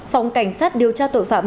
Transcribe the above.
phòng cảnh sát điều tra tội phạm